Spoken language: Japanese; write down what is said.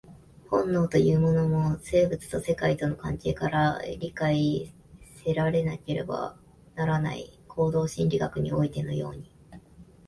本能というのも、生物と世界との関係から理解せられなければならない、行動心理学においてのように。